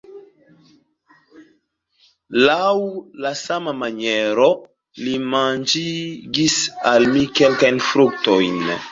Laŭ la sama maniero li manĝigis al mi kelkajn fruktojn.